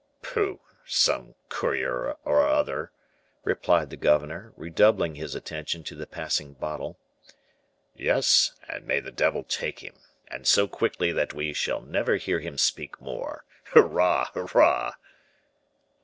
"Pooh! some courier or other," replied the governor, redoubling his attention to the passing bottle. "Yes; and may the devil take him, and so quickly that we shall never hear him speak more. Hurrah! hurrah!"